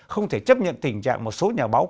không thể chấp nhận tình trạng một số nhà báo